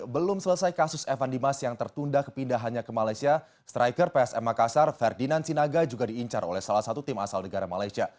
belum selesai kasus evan dimas yang tertunda kepindahannya ke malaysia striker psm makassar ferdinand sinaga juga diincar oleh salah satu tim asal negara malaysia